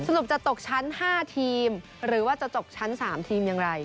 สรุปจะตกชั้น๕ทีมหรือว่าจะจบชั้น๓ทีมอย่างไร